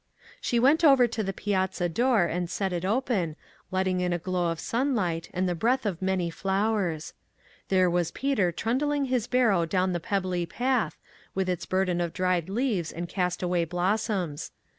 She went over to the piazza door and set it open, letting in a glow of sunlight and the breath of many flowers. There was Peter trundling his barrow down the pebbly path, FROM MIDNIGHT TO SUNRISE. 2$ with its burden of dried leaves and cast away blossoms.